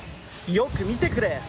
よく見てくれ。